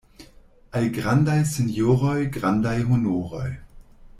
Al grandaj sinjoroj grandaj honoroj.